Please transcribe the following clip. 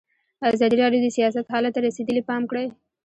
ازادي راډیو د سیاست حالت ته رسېدلي پام کړی.